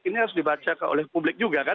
ini harus dibaca oleh publik juga kan